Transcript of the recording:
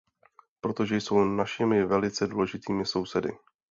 Protože jsou našimi velice důležitými sousedy.